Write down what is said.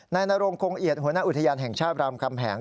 นายนรงคงเอียดหัวหน้าอุทยานแห่งชาติรามคำแหง